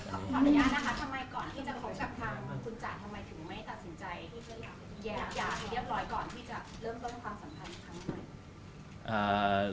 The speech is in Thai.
คุณจ๋าทำไมถึงไม่ตัดสินใจการพกหยาให้เรียบร้อยก่อนที่จะเริ่มต้นความสัมพันธ์ทั้งหมด